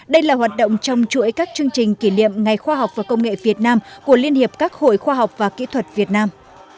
đây là hoạt động trong chuỗi các chương trình kỷ niệm ngày khoa học và công nghệ việt nam của liên hiệp các hội khoa học và kỹ thuật việt nam